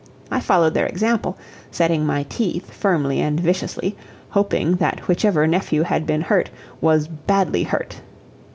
I followed their example, setting my teeth firmly and viciously, hoping that whichever nephew had been hurt was BADLY hurt.